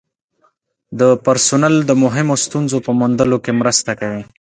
د پرسونل د مهمو ستونزو په موندلو کې مرسته کوي.